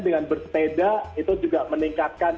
dengan bersepeda itu juga meningkatkan